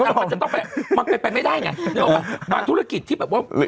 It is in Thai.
มันจะต้องมันเป็นเป็นไม่ได้ไงเนี้ยบางธุรกิจที่แบบว่า